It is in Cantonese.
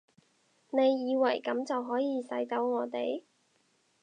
你以為噉就可以使走我哋？